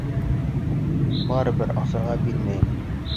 Барыбер асырға бирмәйем!